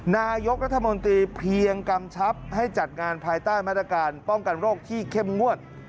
นายกรัฐมนตรีเพียงกำชับให้จัดงานภายใต้มาตรการป้องกันโรคที่เข้มงวด